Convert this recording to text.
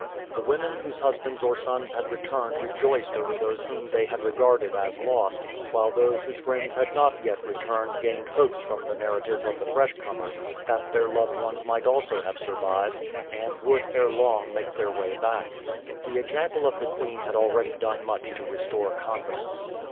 The women whose husbands or sons had returned rejoiced over those whom they had regarded as lost, while those whose friends had not yet returned gained hopes from the narratives of the fresh comers that their loved ones might also have survived, and would ere long make their way back. The example of the queen had already done much to restore confidence.